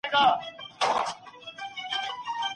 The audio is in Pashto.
بڼوال په اوږه باندي ګڼ توکي نه راوړي.